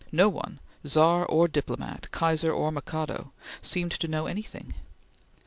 No one Czar or diplomat, Kaiser or Mikado seemed to know anything.